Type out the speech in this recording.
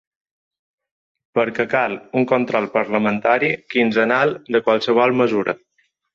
Perquè cal un control parlamentari quinzenal de qualsevol mesura.